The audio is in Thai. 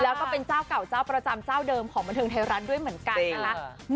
แล้วก็เป็นเจ้าเก่าเจ้าประจำเจ้าเดิมของบันเทิงไทยรัฐด้วยเหมือนกันนะคะ